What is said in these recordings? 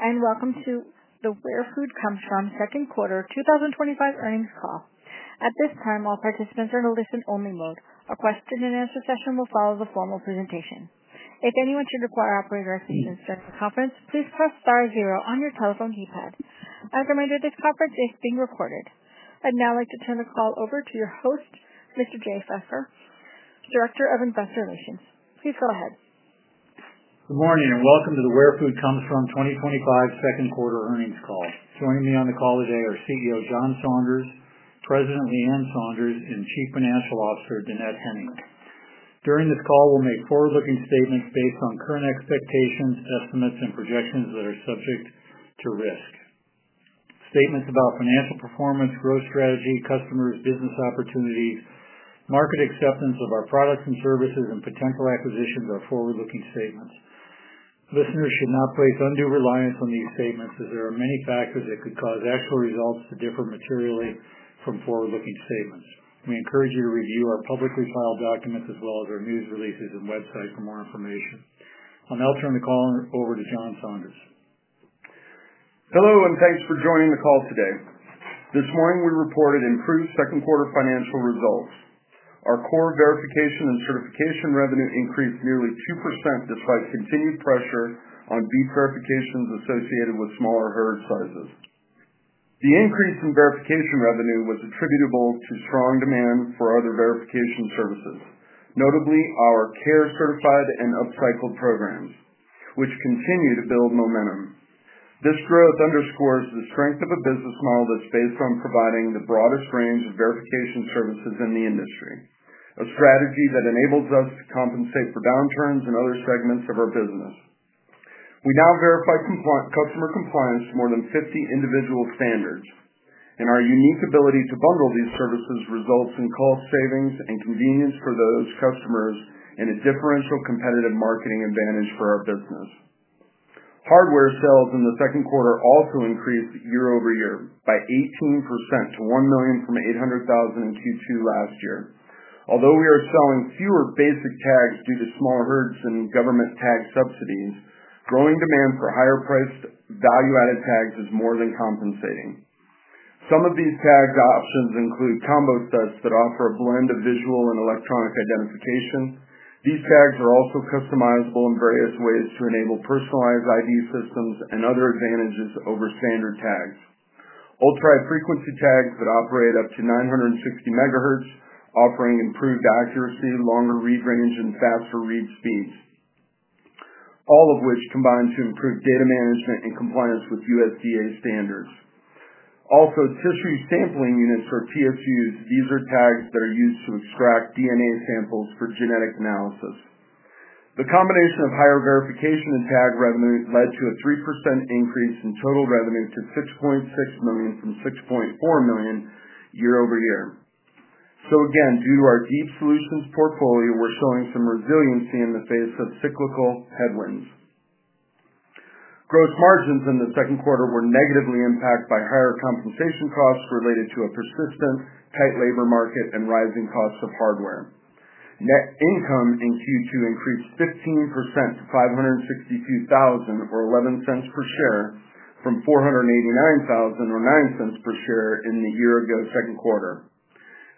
Welcome to the Where Food Comes From Second Quarter 2025 Earnings Call. At this time, all participants are in a listen-only mode. A question-and-answer session will follow the formal presentation. If anyone should require operator assistance during the conference, please press star zero on your telephone keypad. As a reminder, this conference is being recorded. I'd now like to turn the call over to your host, Mr. Jay Pfeiffer, Director of Investor Relations. Please go ahead. Good morning and welcome to the Where Food Comes From 2025 Second Quarter Earnings Call. Joining me on the call today are CEO John Saunders, President Leann Saunders, and Chief Financial Officer Dannette Henning. During this call, we'll make forward-looking statements based on current expectations, statements, and projections that are subject to risk. Statements about financial performance, growth strategy, customer business opportunities, market acceptance of our products and services, and potential acquisitions are forward-looking statements. Listeners should not place undue reliance on these statements as there are many factors that could cause actual results to differ materially from forward-looking statements. We encourage you to review our publicly filed documents as well as our news releases and website for more information. I'll now turn the call over to John Saunders. Hello and thanks for joining the call today. This morning we reported improved second quarter financial results. Our core verification and certification revenue increased nearly 2% despite continued pressure on beef verifications associated with smaller herd sizes. The increase in verification revenue was attributable to strong demand for other verification services, notably our CARE Certified and Upcycled programs, which continue to build momentum. This growth underscores the strength of a business model that's based on providing the broadest range of verification services in the industry, a strategy that enables us to compensate for downturns in other segments of our business. We now verify customer compliance to more than 50 individual standards, and our unique ability to bundle these services results in cost savings and convenience for those customers and a differential competitive marketing advantage for our business. Hardware sales in the second quarter also increased year-over-year by 18% to $1 million from $800,000 in Q2 last year. Although we are selling fewer basic tags due to small herds and government tag subsidies, growing demand for higher priced value-added identification tags is more than compensating. Some of these tag options include combo sets that offer a blend of visual and electronic identification. These tags are also customizable in various ways to enable personalized ID systems and other advantages over standard tags. Ultra high-frequency tags that operate up to 960 MHz offer improved accuracy, longer read range, and faster read speeds, all of which combine to improve data management and compliance with USDA standards. Also, tissue sampling units for TSUs user tags that are used to extract DNA samples for genetic analysis. The combination of higher verification and tag revenue led to a 3% increase in total revenue to $6.6 million from $6.4 million year-over-year. Due to our deep solutions portfolio, we're showing some resiliency in the face of cyclical headwinds. Gross margins in the second quarter were negatively impacted by higher compensation costs related to a persistent tight labor market and rising costs of hardware. Net income in Q2 increased 15% to $562,000 or $0.11 per share from $489,000 or $0.09 per share in the year ago second quarter.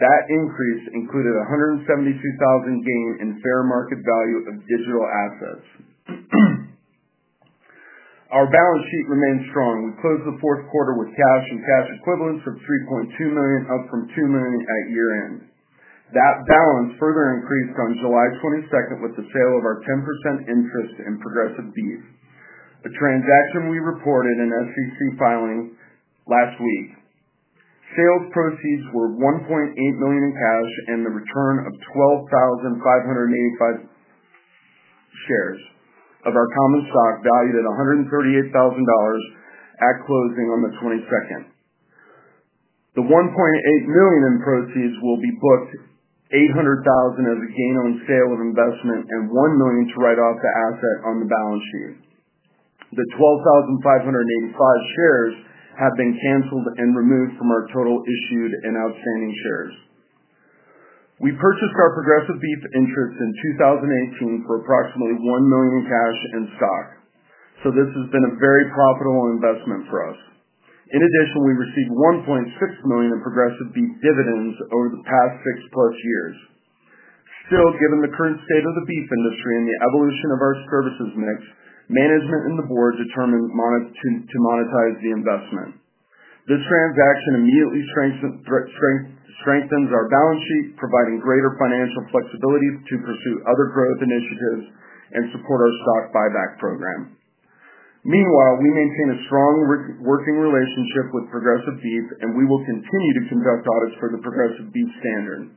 That increase included a $172,000 gain in fair market value of digital assets. Our balance sheet remains strong. We closed the fourth quarter with cash and cash equivalents of $3.2 million, up from $2 million at year end. That balance further increased on July 22nd with the sale of our 10% interest in Progressive Beef, a transaction we reported in SEC filing last week. Sales proceeds were $1.8 million in cash and the return of 12,585 shares of our common stock valued at $138,000 at closing on the 22nd. The $1.8 million in proceeds will be booked $800,000 as a gain on sale of investment and $1 million to write off the asset on the balance sheet. The 12,585 shares have been canceled and removed from our total issued and outstanding shares. We purchased our Progressive Beef interest in 2018 for approximately $1 million cash and stock. This has been a very profitable investment for us. In addition, we received $1.6 million in Progressive Beef dividends over the past six plus years. Still, given the current state of the beef industry and the evolution of our services mix, management and the board determined to monetize the investment. This transaction immediately strengthens our balance sheet, providing greater financial flexibility to pursue other growth initiatives and support our stock buyback program. Meanwhile, we maintain a strong working relationship with Progressive Beef, and we will continue to conduct audits for the Progressive Beef standard.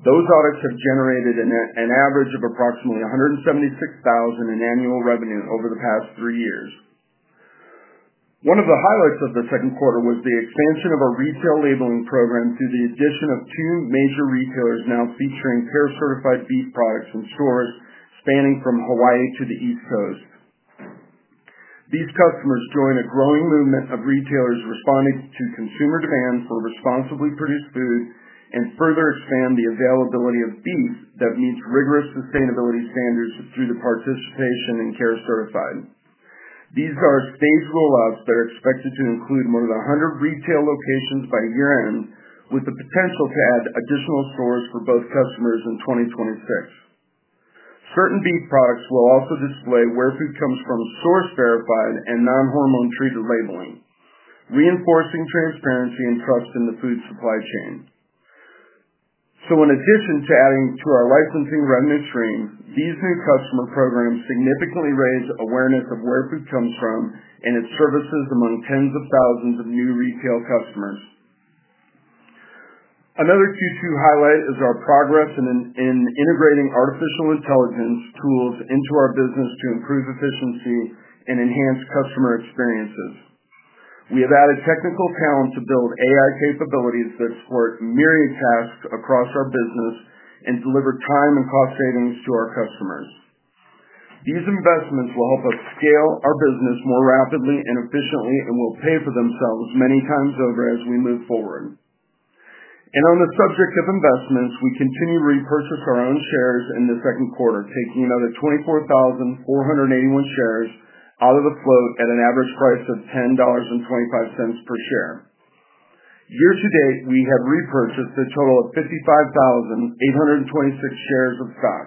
Those audits have generated an average of approximately $176,000 in annual revenue over the past three years. One of the highlights of the second quarter was the expansion of our fee-based retail labeling program through the addition of two major retailers now featuring CARE Certified beef products in stores spanning from Hawaii to the East Coast. These customers join a growing movement of retailers responding to consumer demand for responsibly produced food and further expand the availability of beef that meets rigorous sustainability standards through participation in CARE Certified. These are exchangeable allows. They're expected to include more than 100 retail locations by year end, with the potential to add additional stores for both customers in 2026. Certain beef products will also display Where Food Comes From source-verified and non-hormone-treated labeling, reinforcing transparency and trust in the food supply chain. In addition to adding to our licensing revenue streams, these new customer programs significantly raise awareness of Where Food Comes From and its services among tens of thousands of new retail customers. Another Q2 highlight is our progress in integrating artificial intelligence tools into our business to improve efficiency and enhance customer experiences. We have added technical talent to build AI capabilities that support myriad tasks across our business and deliver time and cost savings to our customers. These investments will help us scale our business more rapidly and efficiently and will pay for themselves many times over as we move forward. On the subject of investments, we continue to repurchase our own shares in the second quarter, taking another 24,481 shares out of the float at an average price of $10.25 per share. Year to date, we have repurchased a total of 55,826 shares of stock,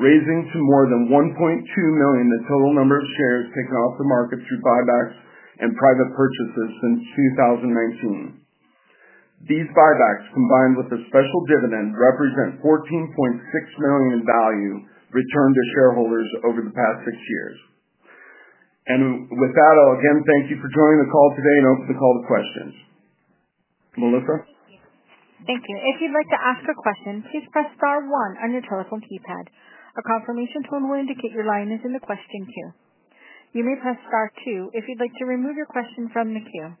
raising to more than $1.2 million the total number of shares taken off the market through buybacks and private purchases since 2019. These buybacks, combined with a special dividend, represent $14.6 million in value returned to shareholders over the past six years. With that, I'll again thank you for joining the call today and open the call to questions. Melissa? Thank you. If you'd like to ask a question, please press star one on your telephone keypad. A confirmation tone will indicate your line is in the question queue. You may press star two if you'd like to remove your question from the queue.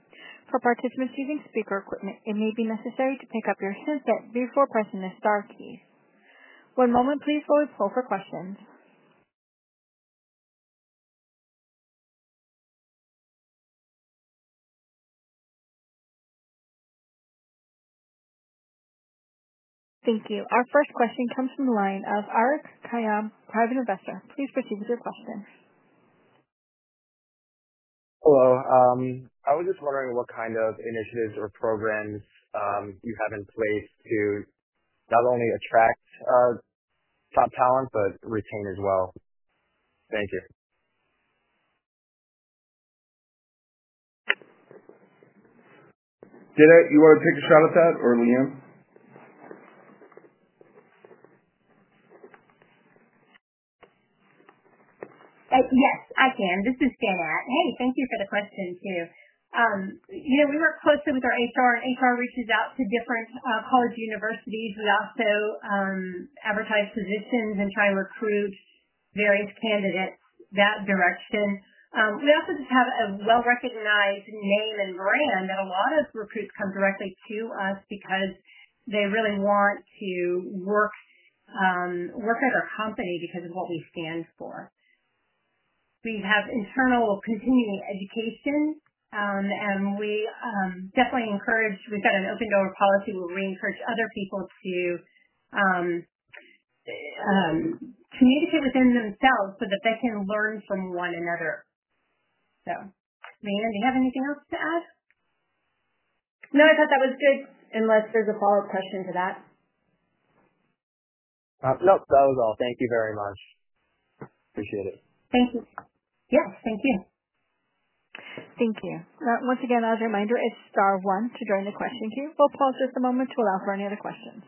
For participants using speaker equipment, it may be necessary to pick up your headset before pressing the star key. One moment, please. We'll pull up our questions. Thank you. Our first question comes from the line of Alex [Kaiam] Private Investor. Please proceed with your question. Hello. I was just wondering what kind of initiatives or programs you have in place to not only attract our top talent but retain as well. Thank you. Dannette, you want to take a shot at that, or Leann? Oh, yes, I can. This is Dannette. Hey, thank you for the question too. You know, we work closely with our HR, and HR reaches out to different college universities. We also advertise positions and try to recruit various candidates that direction. We also just have a well-recognized name and brand that a lot of recruits come directly to us because they really want to work at our company because of what we stand for. We have internal continuing education, and we definitely encourage, we've got an open-door policy. We encourage other people to communicate within themselves so that they can learn from one another. Leann, do you have anything else to add? No, I thought that was good, unless there's a follow-up question to that. No, that was all. Thank you very much. Appreciate it. Thank you. Thank you. Thank you. Now, once again, as a reminder, it's star one to join the question queue. We'll pause just a moment to allow for any other questions.